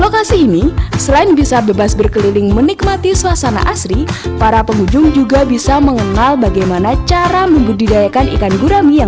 kampung gurami seduri